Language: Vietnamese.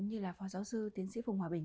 như là phó giáo sư tiến sĩ phùng hòa bình